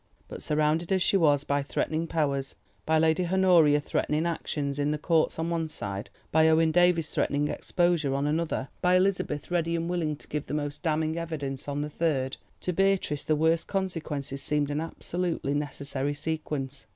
But surrounded as she was by threatening powers—by Lady Honoria threatening actions in the Courts on one side, by Owen Davies threatening exposure on another, by Elizabeth ready and willing to give the most damning evidence on the third, to Beatrice the worst consequences seemed an absolutely necessary sequence.